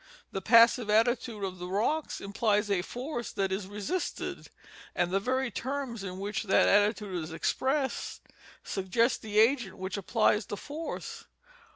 The passive attitude of the rocks implies a force, that is resisted, and the very terms in which that attitude is expressed suggest the agent which applies the force.